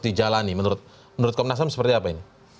dijalani menurut komnas ham seperti apa ini